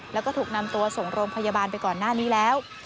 แล้วก็ถูกนำตัวส่งโรงพยาบาลไปก่อนหน้านี้แล้ว